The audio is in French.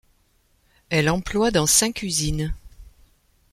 Elle emploie dans cinq usines.